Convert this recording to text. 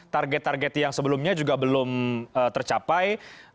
target target yang sebelumnya juga belum tercapai